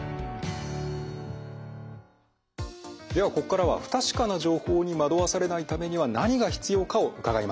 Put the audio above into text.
ではここからは不確かな情報に惑わされないためには何が必要かを伺います。